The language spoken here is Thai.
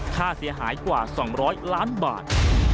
ค่าเสียหายกว่า๒๐๐ล้านบาท